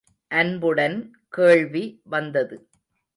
அன்புடன் கேள்வி வந்தது.